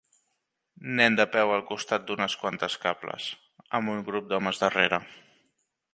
Nen de peu al costat d'unes quantes cables, amb un grup d'homes darrere.